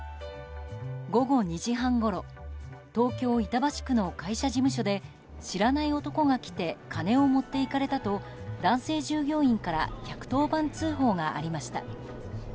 午後２時半ごろ東京・板橋区の会社事務所で知らない男が来て金を持っていかれたと男性従業員から１１０番通報がありました。